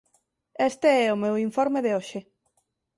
Este é o meu informe de hoxe.